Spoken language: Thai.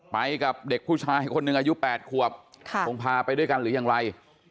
ไปกับเด็กผู้ชายคนหนึ่งอายุ๘ขวบคงพาไปด้วยกันหรือยังไร